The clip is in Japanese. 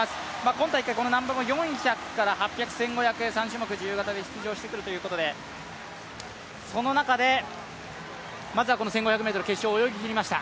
今大会、難波も４００から８００、１５００、３種目自由形で出場してくるということで、その中でまずは１５００ｍ決勝泳ぎきりました。